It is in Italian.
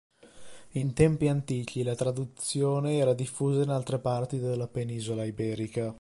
In tempi antichi la traduzione era diffusa in altre parti della penisola iberica.